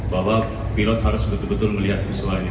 bahwa pilot harus betul betul melihat visualnya